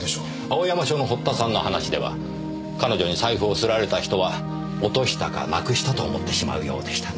青山署の堀田さんの話では彼女に財布を掏られた人は落としたかなくしたと思ってしまうようでしたね。